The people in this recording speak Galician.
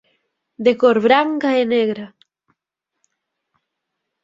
De cor branca e negra.